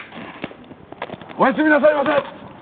おやすみなさいませ！